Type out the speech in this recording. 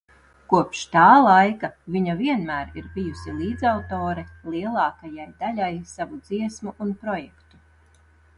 Kopš tā laika viņa vienmēr ir bijusi līdzautore lielākajai daļai savu dziesmu un projektu.